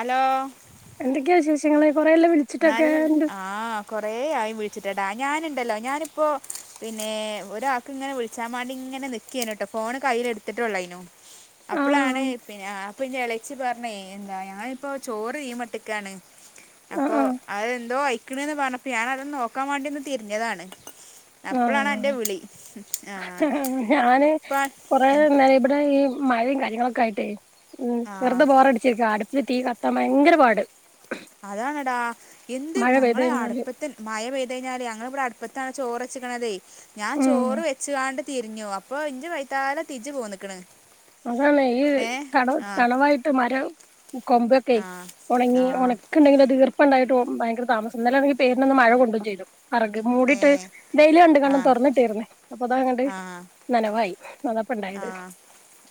Hello. എന്തൊക്കെയാ വിശേഷങ്ങള്? കൊറെയല്ലോ വിളിച്ചിട്ടൊക്കെ നല് എന്ത് ആഹ കൊറ ആയി വിളിച്ചിട്ട ടാ ഞാനുണ്ടല്ലോ ഞാനിപ്പോ പിന്നെ ഒരാക്ക ഇങ്ങനെ വിളിച്ചാൻ വേണ്ടി ഇങ്ങനെ നക്കന കേട്ടോ ഫോണ് കയ്ൽ എടുത്തിട്ടള്ളായിനോ അപ്പോളാണ് ആഹ് പിന്നെ അപ്പൊ എന്റെ ഇളച്ച്ി പറഞ്ഞേ എന്താ ഞങ്ങാനിപ്പോൊ ചോറ് തീ മട്ടിക്കാണ് അപ്പൊ ആഹ് ആഹ് അതെന്തോ അയക്കണന്ന് പറഞ്ഞപ്പോ ഞാാന അത് നോക്കാൻ വേണ്ടിന്ന് തിരിഞ്ഞതാണ് അപ്പോഴാണ് എൻ്റെ ആഹ വിളി ആ ഞാന് ഇപ്പം കൊറെന്ന ഇവിടെ ഈ മഴയും കാര്യങ്ങളൊക്കെ ആയിട്ടേ ഉ ആ വെറുതെ ബോറടിച്ചിരിക്ക അടുപ്പില് തീ കത്താൻ ഭയങ്കര പാട് അതാണടാ എന്ത് മഴ പെയ്ത് ഞങ്ങള് കഴിഞ്ഞാല് അടുപ്പത്തിൽ മഴ പെയ്ത കഴിഞ്ഞാല് ഞങ്ങള ഇവിടെ അടുപ്പത്താണ് ചോറ് േ ഞാൻ ഉം ചോറ് വെച്ചുകാണ്ട് തിരിഞ്ഞു അപ്പോൊ ഇഞ്ച വൈത്താലം തിജു പോ നിിക്കണ് അതാണ് ഈ തണവ തണവായിട്ട് മരം കൊമ്പൊക്കെ ആ ഉണങ്ങി ആ ഉണക്ക ഉണ്ടെങ്കിൽ അത്ർ ഇപ്പ ഉണ്ടായിട്ട് ഭയങ്കര താമസംല്ലെിൽ പേരിൽൊന്ന് മഴ കൊണ്ടും ചെയ്തു അറക് ഏ മൂടിയിട്ട് ഡെയിലി കണ്ട് ആ കണ്ടൻ തുറന്നിട്ടിരുന്നേ അപ്പൊതാ അങ്ങ് ആ ആ നനവായി നന്നപ്പ ആ ഉണ്ടായത്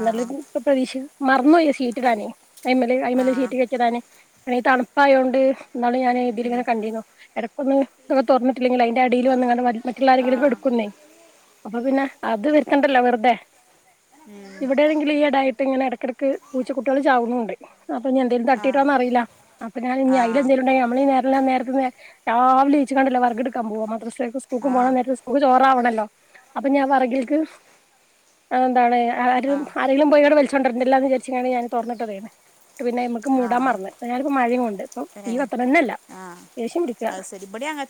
ആ നല്ലരു ഇ പ്രതീക്ഷ മറന്നു പോയ ചീറ്റിടാനേ അല് ആ ആ അമല്െ സീറ്റ കെച്ചിടാന് അെ ഈ തണുപ്പായയത്ോണ്ട് എന്നാണ് ഞാൻ ഇതില ഇങ്ങനെ കണ്ടിന്നോ ഇടരക്കൊന്നും ഇങ്ങ ത തുറന്നിട്ടില്ലെങ്കിൽ അതിന്റെ അടിൽ വന്ന്ങ്ങ മറ്റുള്ള ആരെങ്കിലും എടുക്കുന്നേ അപ്പൊ പിന്നെ അത് വർക്കണ്ടല്ലോ വെറുതെ ഇവിടെണെിലും ഈ ഇടായിട്ട് ഇങ്ങനെ ഇടക്കിടക്ക് പൂച്ചുട്ടികൾ ചാവുന്നുുംണ്ട് അൊ ഞാ എന്തേലും തട്ടിട്ടോന്ന് അറിയില്ല അപ്പ ഞാ ഇനി അയി ആ എന്തങ്കുംണ്ടങ്ക നമ്മള നേ നേരത്തെ രാവിലെ ഇച്ചു കണ്ടല്ലോ വർക്ക് എടുക്കാൻ പോവാ മാത്ര സ്ൂക്ക പോകണം നേര ആ സ്കൂക്ക് ചോറാവണല്ലോ അപ്പൊ ഞാൻ പറകിൽക്ക് എന്താണ് ആരും ആരെങ്കിലും പോയിോടെ വലിച്ച കണ്ടണ്ടല്ലാന്ന്ചാരിച്ചാണ് ഞാൻ തന്നിട്ട്റിയുന്നത് പിന്നെ നമ്മുക്ക് ആ മൂടാൻ ആ മറന്ന്ു കാലിപ്പ മഴയും കൊണ്ട് ഇപ്പൊ തീ ഏ പത്തണന്നല്ല ശേശം പിടിക്കുക െയണ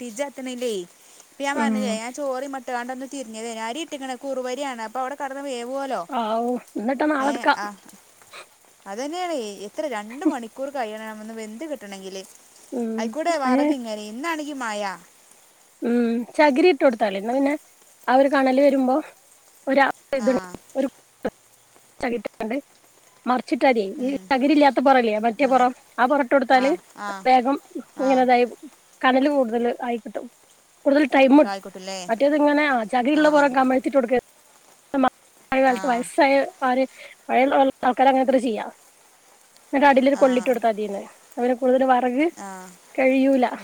പിജത്തല്ലേഞാൻ ഉം പറഞ്ഞ ഞാൻ ചോറി മ ഇാണ്ടന്ന് തിരിത്ോരി ഇട്ടി കുറുവരിയാണ് അപ്പോ അവിടെ കടന്ന പോല്ലോ ആവൂ എന്നിട്ടാ ഏ നാളെ എടുക്കാം അത് തന്നെയാണ് എത്ര രണ്ട് മണിക്കൂർ കഴിയണമന്ന് വെന്ത് കിട്ടണമെങ്കിൽ ഉം ആയിക്കൂടെ അങ്ങനെ വറക ഇങ്ങനെ ഇന്നാണെങ്കി മായ ഉം ചകിരി ഇട്ട് കൊടുത്താലേ എന്നാ പിന്നെ അവര് കണല് വരുമ്പോ ഒണ്ട് ആ ചിട്ടത ഈ ഉം, തകിരില്ലാത്ത പുൊറല്ലേ മറ്റേ ആ പുൊറം ആ ആ പുൊറട്ടെടുത്താല് ആ വേഗം ആ ഇങ്ങനെതായ കനല് കൂടുതൽ ആയി കിട്ടും കൂടുതൽ ടൈം കായിക്കോട്ടല്ലേ മറ്റേത് ഇങ്ങനെ ആ ചകിയുള്ള പോരെ കമഴത്തിട്ട കൊടുക്ക ആ കാലത്ത് വയസ്സായ ആര് പഴയള്ള ആൾക്കർ അങ്ങനെത്ര ചെയ്യാം അടലൊരു ആ കൊള്ളിട്ട് കൊടുത്താൽ മതിീന്ന് അവന് കൂടുതൽ വറക് ആ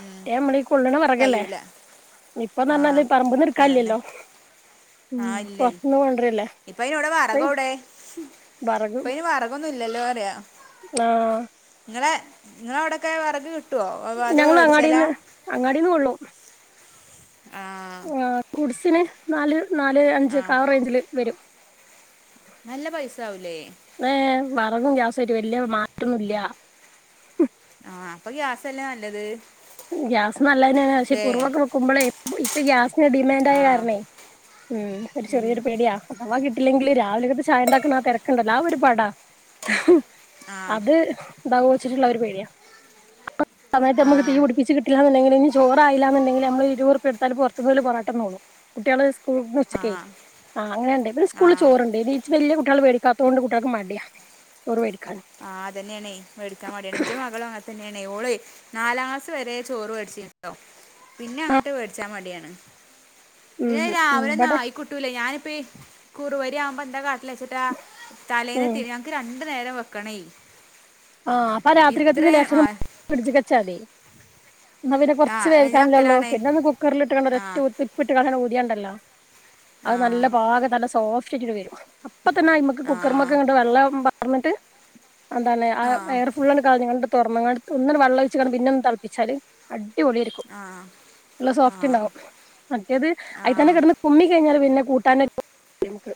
ഉം, മളി കൊള്ളണ വറകല്ലേ കഴിയൂല ഇപ്പൊ ആ നന്നല് പറമ്പ് അതന്നെ നിർക്കല്ലല്ലോ ആഹ് ഇല്ല ഇപ്പ ഇനോടെ അപ്പ വറകോടെ ഇപ്പൊ ഇനി വറകൊന്നും ഇല്ലല്ലോ പറയാ ആഹ് ഇങ്ങളവിടൊക്കെ വിറക് കിട്ടുവോ അ അതൊ ഞങ്ങള് വേടിച്ചലാ. അങ്ങാടിന്ന് അങ്ങാടിന്ന് ആ ഗുഡ്സിന് നാല് നാല് അഞ്ച് ആഹ് ഒക്കെ ആ റേഞ്ചില് വരും. നല്ല പൈസ ആവുലേ. വെറെകും ഗ്യാസുആയിറ്റ് വല്യ മാറ്റൊന്നില്ല. ആഹഹ് അപ്പൊ ഗ്യാസല്ലേ നല്ലത് ഗ്യാസ് നല്ലതന്നെയാണ് പക്ഷേ ല്ലേ കുറവൊക്കെ വെക്കുമ്പോളെ ഇപ്പ ഗ്യാസ് ന് ഡിമാന്റായ ആഹ് കാരണേ ഉം ഒരു ചെറിയൊരു പേടിയ അഥവാ കിട്ടില്ലെങ്കില് രാവിലകത്തെ ചായ ഉണ്ടാക്കുന്ന ആ തിരക്കുണ്ടല്ലോ ആ ഒരു പടാ ഹ് ഹ് ആഹ് അത് ഇണ്ടാകൂ വെച്ചിട്ടുള്ള ഒരു പേടിയാ ആ സമയത്ത് നമുക്ക് തീ ആഹ് പിടി കിട്ടില്ലാന്നുണ്ടെങ്കിൽ ഇ ചോറായില്ലാന്നുണ്ടങ്കിൽ നമ്മൾ ഇരുപറുപ്പ്യ കൊടുത്താൽ പുറത്തുന്ന് ഓല് പൊറാട്ടന്നോളും. കുട്ടികള് സ്കൂൾന്ന് ഉച്ചക്കെ ആഹ് ആ അങ്ങനെയുണ്ട് ഇബലെ സ്കൂളിൽ ആഹ് ചോറുണ്ട് ഇനി ഇച്ചി വലിയ കുട്ടികൾ വേടി കാത്തോണ്ട് കുട്ട്യേൽക് മടിയ ചോർ വേടി ആഹ് തന്നേണയ് വേടിക്കാൻ മടിയാണ്. ഇഞ്ച മകളും അങ്ങനത്തന്നെ അതെന്നെനായ്‌ ഓളെയ് നാലാളാസ് വരെ ചോറ് വേടിച്ചീന്നൂട്ടോ പിന്നെ അങ്ങോട്ട് വേടിച്ചാ മടിയാണ്. പിന്നെ ഉം രാവിലെ ഇവിടെ നായിക്കുട്ടൂലേ ഞാനിപ്പ കുറുവരി ആവുമ്പോ എന്താ ല്ലച്ചേട്ടാ തലേന്ന് ഉം ഇത്തിരി ഞങ്ങക്ക് രണ്ടു നേരം വെക്കണേ. ആഹ് അപ്പൊ രാത്രികത്തിന്ന് ഇത്രയും ആ ലേഷം ഫ്രിഡ്ജിക്ക് വെച്ചാ മതി. എന്നാ പിന്നെ ആ കുറച്ച് ഇനി വേവിക്കാനില്ലേ ഉള്ളു. വെക്കലാണേ പിന്നെ ഒന്ന് കുക്കറിലിറ്റങ്ങാണ്ട് ഒര് ആ ഒറ്റ ഊത് ഉപ്പിട്ടിങ്ങാണ്ട് ഊതിയാണ്ടല്ലോ. ആ അത് നല്ല പാകത് നല്ല സോഫ്റ്റായിട്ട് വരും. അപ്പതന്നെ അയിമ്മക്ക് ആ കുക്കറമൊക്കെ വെള്ളം പാ പാർന്നിട്ട് എന്താണ് ആ എയർഫുള്ളങ്ങട്ട് കളഞ്ഞിഞ്ഞിങ്ങാണ്ട് തുറന്നിങ്ങാണ്ട് ഒന്നങ്ങട് വെള്ളൊഴിച്ചിങ്ങാണ്ട് പിന്നൊന്ന് തളപ്പിച്ചാല് അടി അടിപൊളിയായിരിക്കും. ആ നല്ല സോഫ്റ്റ് ഉണ്ടാകും. മറ്റേത് ആ അയിൽ തന്നെ കിടന്ന് കുമ്മി കഴിഞ്ഞാൽ പിന്നെ കൂട്ടാൻ [inaudible] ങ്ങട്ട്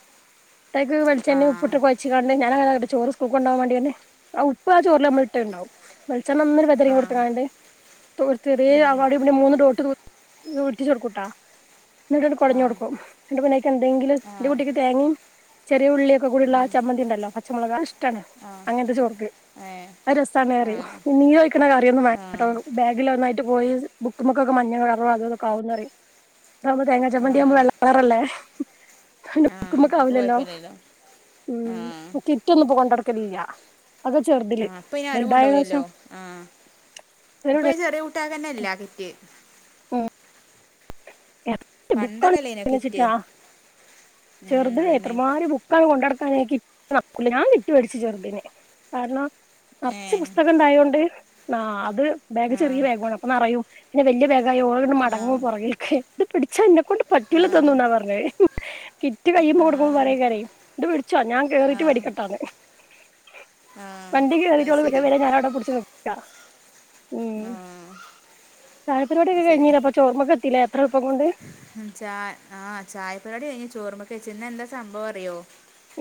അയ്ക്ക് ആ വെളിച്ചെണ്ണി ഉപ്പിട്ട് കുഴച്ചിങ്ങാണ്ട് ഞാനങ്ങനെ അങ്ങട്ട് ചോറ് സ്കൂൾക് കൊണ്ടാവാൻ വേണ്ടിന്നെ ആ ഉപ്പ് ആ ചോറ് നമ്മള് ഇട്ട ഇണ്ടാവും വെളിച്ചെ വെളിച്ചെണ്ണ ഒന്ന് വെതറി ആ കൊടുതുങ്ങാണ്ട് [inaudible] ഉം പിന്നെ മൂന്ന് ഡോട്ട് ഒന്ന് ഉറ്റിച്ചോട്ക്കുട്ടോ ന്നിട്ട് ഒന്ന് ആ കോടഞ്ഞൊടുക്കും ന്നിട്ട് പിന്നെ അയിക്ക് എന്തെങ്കിലും ആ ന്റെ കുട്ടിക്ക് തേങ്ങീ [inaudible] ഉള്ളിയൊക്കെ കൂടിള്ള ആ ചമ്മന്തിണ്ടല്ലോ പച്ചമുളകാ ഇഷ്ടമാണ് ആ അങ്ങനത്തെ ചോർക്ക് ഏ അത് ആ രസാണ്പറിം നീരോലിക്കുന്ന കറിയൊന്നും ആ ആ വേണ്ടാട്ടോ ബാഗിലൊന്നായിട്ട് ട്ട് പോയി ബുക്ക്മക്കൊക്കെ മഞ്ഞ കറ അതും ഇതൊക്കെ ആവുന്ന് പറയിം. അതാകുമ്പോ തേങ്ങാ ആ ചമ്മന്തിയാവുമ്പോ വെള്ളകളറല്ലേ ഓന്റെ അപ്പൊ ബുക്ക്മക്കാവില്ലല്ലോ കുഴപ്പമില്ലല്ലോ ആ ഉം കിറ്റൊന്നും ഇപ്പൊ കൊണ്ട് നടക്കലില്ല. ആഹ് ഇപ്പൊ അയിന് ആരും കൊണ്ടോവില്ലല്ലോ ആഹ് ഇപ്പൊ അയിന് ചെറിയ കു ട്ടകനല്ല കിറ്റ് [unintelligible] ബുക്കാണ് പണ്ടൊക്കെ അല്ലേനോ [inaudible] കിറ്റ് ഉം ചെറുതെ അതന്നെ എത്രമാതിരി ബുക്ക കൊണ്ടട [inaudible] നടക്കൂല ഞാൻ കിറ്റ് വേടിച്ചു ചെറുതിന് കാരണം ഏ നറച്ച് പുസ്തകം ഉണ്ടായോണ്ട് ന്നാ അത് ബേഗ് ആ ചെറിയ ബേഗുമാണ് അപ്പ നറയും. പിന്നെ വലിയ ബേഗ് [inaudible] ഓളിങ്ങട്ട് ആ മടങ്ങും പുറകിൽക്ക് ഇത് പിടിച്ചാന്നെക്കൊണ്ട് ആ പറ്റൂലതൊന്നും ന്നാ പറഞ്ഞത് കിറ്റ് കയ്യിമ്മേ ആ കൊടുക്കുമ്പോ പറേകരെയ് ഇത് വിടിച്ചോ ഞാൻ ആ കേറീട്ട് വെടിക്കട്ടാന്ന്. ആ വണ്ടിക്ക് അത് കേയറിയിട്ടോള് [inaudible] ഞാനവടെ പിടിച്ചുനിക്കാം ആഹ് ചായപ്പരിപാടിയൊക്കെ കഴിഞ്ഞിലേ അപ്പൊ ചോർമ്മക്കെത്തിലേ ഇത്ര എളുപ്പം കൊണ്ട് എയ് ചോർമ്മ ചേച്ചി ന്നെന്താ സംഭവം അറിയോ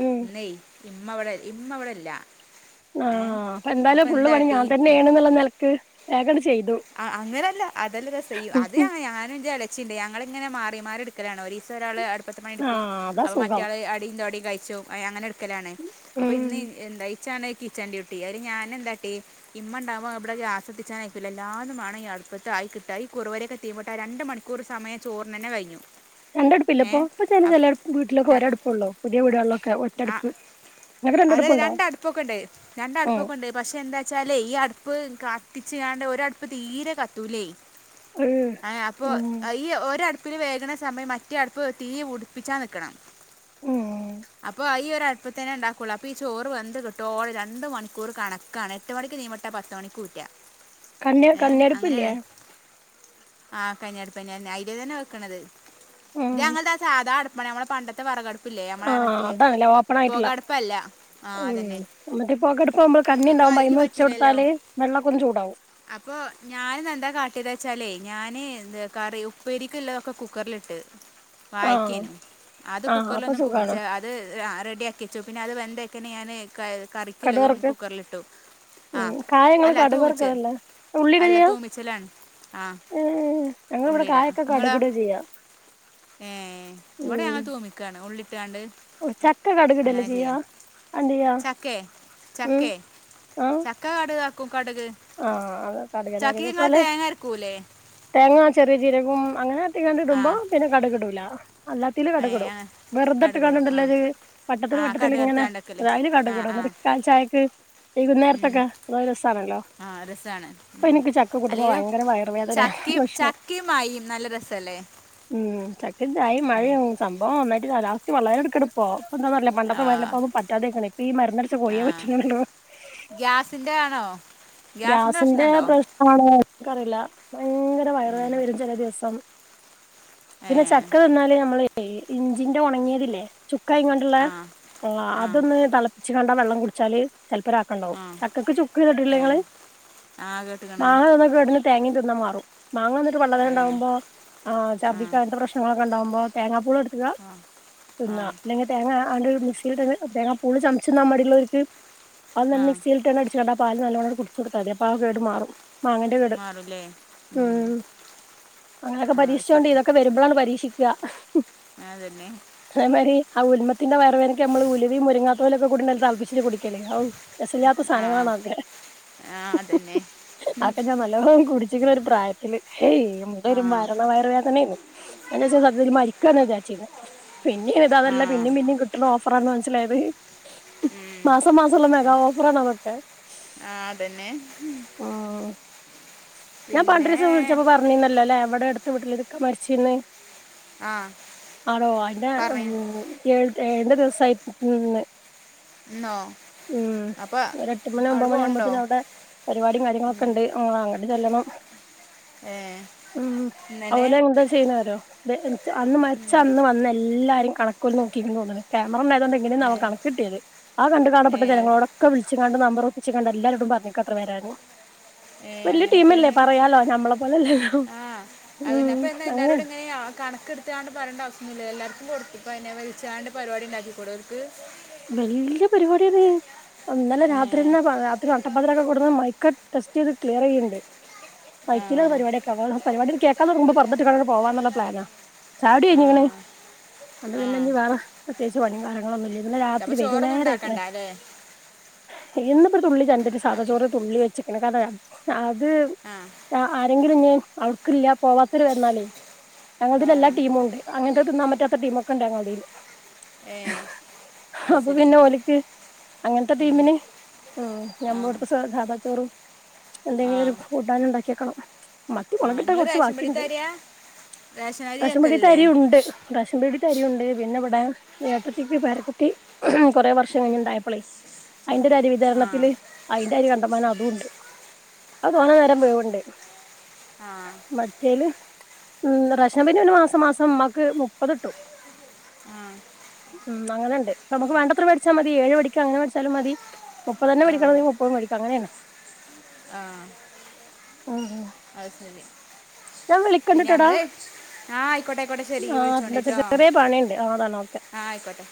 ഉം ന്നേയ് ഇമ്മവിടെ ഇമ്മ ഇവടെല്ല ആആആഹ് അപ്പൊ എന്തായാലും ഫുള്ള് പണി ഞാൻ ടീ തന്നേണ്ന്ന്ള്ള നിലക്ക് വേഗങ്ങട്ട് ചെ ആ അങ്ങനല്ല അതല്ല രസയ് അത് ഞാനൻ ഞാനെന്റെ എളേ ച്ചിണ്ട് ഞങ്ങിങ്ങനെ മാറി മാറി ഇടുക്കലാണ്. ഒരീസം ഒരാള് അടുപ്പത്ത് പണിട്ക്കും ആഹ് അതാ അപ്പൊ സുഖം മറ്റാള് അടീം തൊടീം കയി ച്ചും. അ അങ്ങനെ എടുക്കലാണ്. അപ്പൊ ഉം ഇന്ന് എന്താ ഇച്ചാണ് കിച്ചൻ ഡ്യൂട്ടി. അതിന് ഞാൻ എന്താട്ടീ ഇമ്മ ഇണ്ടാവോ അവിടെ ഗ്യാസതിച്ചാൻ അയക്കുലല്ല് എല്ലാതും മാണം ഈ അടുപ്പത്ത് ആയി കിട്ടാൻ. ഈ കുറവരിഒക്കെ തീമട്ടാ രണ്ട് മണിക്കൂർ സമയം ചോറിനെന്നെ കഴിഞ്ഞു. ഏ രണ്ടടുപ്പില്ലപ്പോ. ഇപ്പ ചെല അപ് ചെല വീട്ടിലൊക്കെ ര- ഒരടുപ്പള്ളോ പുതിയ വീടുകളിലൊക്കെ ഒറ്റടുപ്പ് നിങ്ങക്ക് അതെ രണ്ടടുപ്പുണ്ടോ രണ്ട് അടുപ്പൊക്കെ ഉണ്ട് രണ്ട് ഉം അടുപ്പൊക്കെ ഉണ്ട് പക്ഷെ എന്താച്ചാല് ഈ അടു ഇപ്പ് കത്തിച്ച്ങ്ങാണ്ട് ഒരടുപ്പ് തീരെ കത്തൂലെയ്. ഏഹ് ഏ അപ്പൊ ഉം ഈ ഒരടു പ്പില് വേഗണ സമയം മറ്റേ അടുപ്പ് തീ ഉടിപ്പിച്ചാ നിക്കണം ഉം അപ്പൊ ഈ ഒരടുപ്പത്തന്നെ ഇണ്ടാക്കുള്ളൂ. അപ്പൊ ഈ ചോറ് വെന്ത് കിട്ടോളം രണ്ട് മണിക്കൂർ കണക്കാണ് എട്ട് മണിക്ക് തീമ ഇട്ട പത്തുമണിക്ക് ഊറ്റ കണ് കണ്ണെടുപ്പില്ലേ ആഹ് കനി അടുപ്പ് തന്നെ അയില് തന്നെ വെക്കണത് ഉം ഇത് ഞങ്ങടെ സാധാ അടുപ്പ് മ്മളെ ഞമ്മളെ പണ്ടത്തെ വെറകെടുപ്പില്ലേ ഞമ്മളെ ല്ല ഓപ്പൺ ആയിട്ടല്ല ആ ഉം അതന്നെ [unintelligible] കണ്ണി അപ്പോൾ ഉണ്ടാവ്പോ അതിൽ അയ്മേ വെച്ചു പറ്റൂലല്ലോ കൊടുത്താല് വേം വെള്ളൊക്ക ചൂടാവും അപ്പൊ ഞാനന്ന് എന്താ കാട്ടിയത് വച്ചാലേ ഞാന് ത് കറി ഉപ്പേരിക്കുള്ളതൊക്കെ കുക്കറില് ഇട്ട് ആഹ് വായക്കാനു അത് ആഹ് കുക്കറിൽ അപ്പൊ ഒന്ന് കുകിച്ച സുഖാണ് അ റെഡി ആക്കിച്ചു പിന്നെ അത് വെന്തക്കെനെ ഞാൻ കടുക് കറിക്ക്‌ള്ളതും വറുക്ക് കുക്കറിലിട്ടു ആ ഉം കായങ്ങൾ അല്ല കടുക് തൂമിച്ച് വറക്കല്ണ്ടൊ ഉള്ളി ഇടുക ചെയ്യാ ആഹ് ഏഹ് ഞങ്ങളിവിടെ ഉള്ളീടാ കായൊക്കെ ങ്ങളൊ കടുകിടാ ചെയ്യാ ഏ ഇവ്ടെ ഞങ്ങൾ തൂമിക്കയാണ് ഉള്ളിട്ടാണ്ട് ഉം ചക്ക കടുക് ഇട്ല്ലേ അങ്ങനെ ചെയ്യാ ചെയ്യാം അന്തേയ്യ് ചക്കേ ഉം ചക്കേ ആഹ് ചക്ക കട് ആഹ് അതൊ കട്ക് ന്നെ ഇടല് ചക്കയ്ക്ക് ഇതേ നിങ്ങൾ പോലെ തേങ്ങ അരക്കൂലേ തേങ്ങാ ചെറിയ ജീരകം അങ്ങനെ ട്ടിങ്ങാണ്ട് ആ ഇടുമ്പോ പിന്നെ കട്കിടൂല അല്ലാത്തില് ഏ കട്കിടും ആ വെറുതെ ട്ട്ങ്ങാണ്ട് കടുകടും ആ ണ്ടല്ലോ ഒര് ആ വട്ടത്തില് വട്ടത്തില് കടുക് എടുത്ത് ഇങ്ങനെ കണ്ടക്കല് അതായല് ആ കട്ക് ഇടും ആ ഇട്ടാ ചായക്ക് വൈകുന്നേരത്തൊക്കെ അത് രസാണല്ലോ ആഹ് രസമാണ് ഇപ്പൊ ഉം എനിക്ക് ചക്ക കൂട്ടുമ്പോ ഭയങ്കര വയറുവേദന അല്ലെങ്കിലും പ്രശ്നം ചക്കിം മാങ്ങിമം നല്ല രസല്ലേ ഉം ചക്കേം ചായിം മഴെയും സംഭവം ഒന്നായിട്ട് കാലാവസ്ഥ വളരെ എടുക്കെടുപ്പോ എന്താന്നറിയില്ല ആ പണ്ടത്തെ വല്ലപ്പോ പറ്റാതായ്ക്ക്ണ് ‌ ഇപ്പ ഈ മര്ന്നടിച്ച കോഴിയെ പറ്റുന്നോള്ളൂറോ ന്റെ ആണോ ഗ്യാസിൻ്റെ ഗ്യാസിന്റെ പ്രശ്നമുണ്ടോ പ്രശ്മാണ് ഇനിക്കറിയില്ല ഭയങ്കര വയറു ഉം. വേന വരും ചില ദിവസം ഏ പിന്നെ ചക്ക തിന്നല് നമ്മള് ഇഞ്ചിന്റെ ഒണങ്ങിയതില്ലേ ചു കൈ കണ്ടുള്ള ആ ആ അതൊന്ന് തിളപ്പിച്ച് കണ്ടാ വെള്ളം കുടിച്ചാല് ചെലപ്പംരാക്കണ്ടാവും ആ ചക്കക്ക് ചുക്ക് ഏ തിന്നിട്ടില്ലെങ്ങള് ആ കേട്ടുക്കണ് മാങ്ങ തിന്ന കേടിന് തേങ്ങി തി ന്ന മാറും മാങ്ങ തിന്നിട്ട് ഏ വെള്ളതണ്ടാവുമ്പോ ആ ഛർദിക്ക പ്രശ്നങ്ങളൊക്കെ ഉണ്ടാകുമോ തേങ്ങ പുളെടുക്ക ആ ആ തിന്ന അല്ലെങ്കി തേങ്ങ ആയിന്റെ ഒര് മി മിക്സിട്ട് തന്നെ തേങ്ങ പുള് ചമച്ച് മടിള്ളർക്ക് അത് ആ തന്നെ മിക്സിയിലിട്ട് അടിച്ചു കാണ്ട് പാല് നല്ലോണം ച്ച്കൊടുത്താ തി അപ്പൊ ആ കേട് മാറും മാങ്ങേന്റെ കേട് മാറൂല്ലേ ഉം അങ്ങനൊക്കെ ആ അത് പീക്ഷിച്ചുകൊണ്ട് ശരി ഇതൊക്കെ വരുമ്പോഴാണ് പരീക്ഷിക്കുക അതന്നെ അതേമാതിരി ആ ഉൽമത്തിന്റെ വയവേനക്ക് നമ്മള് ഉലുവയും മുരിങ്ങാകൊല് ഒക്കെ കൂടി നല്ല തൽപിച്ച് കുടി ക്കല് രസഇല്ലാത്ത സാധനങ്ങളാണോ ആഹ് അതെന്നെ ആക്കെ ഞാൻ നല്ലം കുടിച്ചിക്ക്‌ണ് ഒരു പ്രായത്തില് ഏയ് എന്തൊരു ആ മരണ വയറ് വേദനയാരുന്നു എന്നാച്ചാല് സത്യത്തിൽ മരിക്കന്നാ വിചാരിച്ചിന്നെ പിന്നിം ഇത് ആ ഇതിദല്ല പിന്നിം പിന്നിം കിട്ടണ ഓഫറാന്ന് മനസ്സിലായത് ഉം. മാസം മാസം ഒള്ള മെഗോഓഫറാണ് അതൊക്കെ ഇതന്നെ ഉം ഞാൻ പണ്ട് ഒരീസം വിളിച്ചപ്പോ പറഞ്ഞിന്നല്ലോ അല്ലേ ഇവ്ടെ അടുത്ത് വീട്ടിലെ ഒരിക്ക മരിച്ചിന്ന് ആ ആണോ അയിന്റെ ഉം പറഞ്ഞു ഏഴ് ഏഴിന്റെ ദിവസായിന്ന് [unintelligible] എന്നോ ഉം അപ്പൊ ഒര് എട്ട് മണി അവിടെ ഒമ്പത് പോകണ്ടോ മണിയാവകുമ്പത്തിന് അ ഇവിടെ പരിപാടിയും കാര്യങ്ങളൊക്കെ ഇണ്ട് അങ്ങ അങ്ങട്ട് ചെല്ലണം ഏ ഉം ഇന്നനെ അവല് എന്താ ചെയ്യണെ അറിയോ ബെ അന്ന് മരിച്ച അന്ന് വന്നെ എല്ലാരും കണക്ക്‌ഓല് നോക്കിക്ക്ണ് തോന്നണ് ക്യാമറണ്ടായതുകൊണ്ട് ഏ എങ്ങനെയാന്നാവോ കണക്ക് കിട്ടിയത് ആ കണ്ട് ഏ കാണപ്പെട്ട അത്- ജനങ്ങളോടൊക്കെ വിളിച്ച്ങ്ങാണ്ട് നമ്പർ ഒപ്പിച്ച് കണ്ട് എല്ലാരരോടും പറഞ്ഞിക്ക എത്ര വരാണ് ഏ വല്യ ടീമല്ലേ അങ്ങനെയൊക്കെയാണ് പറയാലോ ഞമ്മളെ പോലെ അല്ലല്ലോ ആ അതന്നെ അപ്പൊ എന്നാ എല്ലാരോടും ഇങ്ങനെ കണക്കെടുത്താണ്ട് പറയണ്ട ആ അവശ്യാം ഇല്ലല്ലോ എല്ലാർക്കും- കൊടുക്കുമ്പം അയിനെ വിളിച്ചാണ്ട് പരിപാടി ഉണ്ടാക്കിക്കൂടെ അവർക്ക് വല്യ പരിപാടിയന്നേ ഇന്നലെ ഏ രാത്രിന്നെ രാത്രി നട്ടപ്പാതിരാക്കൊക്കേ ഇവ്ട്ന്ന് മൈ ഒക്കെ ടെസ്റ്റെയ്ത് ക്ലിയറ് ചെയ്യ്ണ്ട് ആ മൈക്കിലാ പരിപാടിയൊക്കെ ആ പരിപാടി- [unintelligible] പർദ്ദട്ട്ക്കാണ്ട് പോവാനുള്ള പ്ലാനാ ചായുകുടി ആ കയിഞ്ഞങ്ങനെ- അതോണ്ട് ആ പിന്നെ ഇഞ്ഞി വേറെ പ്രത്യേകിച്ച് പണിം കാര്യങ്ങളൊന്നും ഇല്ലല്ലോ അപ്പൊ ഇത്തിരി ചോറൊന്നും വെയ്കുന്നേരയ്ക്ണ് ഉണ്ടാക്കണ്ട അല്ലേ ഇന്നിപ്പൊരു തുള്ളി [unintelligible] സാധാ അപ്പ- ചോറ് തുള്ളി വെച്ച്ക്ക്ണ് കാർണേ അത്‌ ആ അ അ എന്തെങ്കിലും ഇഞ്ഞി അവൾക്കില്യ പോവാത്തൊരു വന്നാലേ ആ ഞങ്ങൾതില് എല്ലാ ടീമുണ്ട് അങ്ങൻത്തെ തിന്നാൻ പറ്റാത്ത ടീമൊക്കെണ്ട് ഞങ്ങൾതീല്. ഏഹ് അപ്പൊ പിന്നെ ഓല്ക്ക് അങ്ങൻത്തെ ടീമിന് ഉം ആ ഞമ്മളിവ്ട്‌ത്തെ സാദാ ചോറും, ആ എന്തെങ്കിലൊരു കൂട്ടാനും ഇണ്ടാക്കിവെക്കണം മ ത്തി ആ മൊളകിട്ടേ നിങ്ങൾ കൊർച്ച് റേഷൻ പടി ബാക്കിണ്ട് തരിക റേഷൻ അരി റേഷംപീടേത്തെ വെക്കലില്ലേ അരി ഉണ്ട് റേഷംപീടെ ത്തെ അരി ഉണ്ട് പിന്നെ ഇവിടെ ഏട്ടത്തിക്ക് പേരക്കുട്ടി കൊറെ വർഷം കഴിഞ്ഞുണ്ടായപ്പളെ അതിന്റെ ഒരു അരി ആ വിതരണത്തില് ഐന്റരി ക ണ്ടമാനം അതൂണ്ട് അത് തോനെ നേരം വേവ്ണ്ട്. ആ മറ്റേല് ഉം റേഷൻ പീടേലരി മാസം മാസം ഇമ്മാക്ക് മുപ്പത്ട്ടും. ആ ഉം അങ്ങനെണ്ട്. നമുക്ക് വേണ്ടത്ര മേട്ച്ചാ മതി ഏഴ് മേടിക്ക അങ്ങന മേടാച്ചാലുമതി മുപ്പതന്നെ മേടിക്കണെങ്കി മുപ്പതും മേടിക്കാം അങ്ങനെണ്. ആഹ് [unintelligible] അത്ശെരി. ഞാൻ വിളിക്കണ്ട്ട്ടാട. ആഹ് ആയ്ക്കോട്ടെ ആയ്ക്കോട്ടെ ശെരി വിൾച്ചോണ്ടിട്ടോ ചെറിയ പണിണ്ട് ആഹ് അതാണ് ഓക്കെ ആഹ് ആയ്ക്കോട്ടെ.